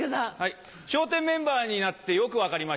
笑点メンバーになってよく分かりました。